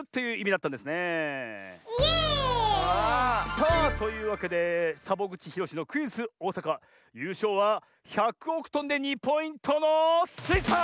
さあというわけでサボぐちひろしのクイズ「おおさか」ゆうしょうは１００おくとんで２ポイントのスイさん！